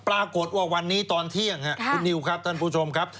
ปรากฏว่าวันนี้ตอนเที่ยงครับคุณนิวครับท่านผู้ชมครับ